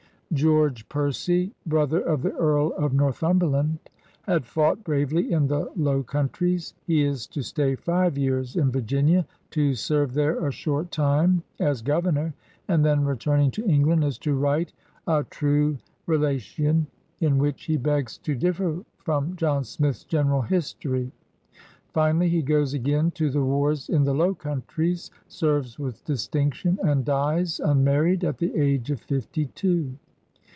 George Percy, brother of the Earl of North umberland, has fought bravely in the Low Coun tries. He is to stay five years in Virginia, to serve there a short time as Governor, and then, return ing to England, is to write A Trewe Relacyioth in which he begs to differ from John Smith's OeneraU Hislorie. Finally he goes again to the wars in the Low Countries,, serves with distinction, and dies, immarried, at the age of fifty two.